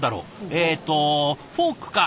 えっとフォークか？